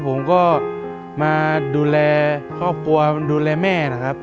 ผมก็มาดูแลครอบครัวดูแลแม่นะครับ